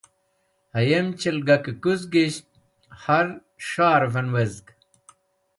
Hẽyem chelgakẽ kũzgish hẽr sharvẽn wezg